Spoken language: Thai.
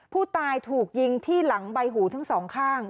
ผู้ตายถูกยิงที่หลังใบหูทั้งสองข้าง